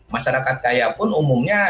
masyarakat kaya pun umumnya